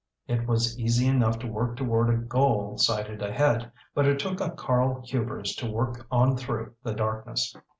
It was easy enough to work toward a goal sighted ahead; but it took a Karl Hubers to work on through the darkness.